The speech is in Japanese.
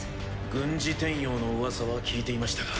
軍事転用のうわさは聞いていましたが。